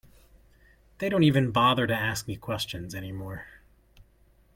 They don't even bother to ask me questions any more.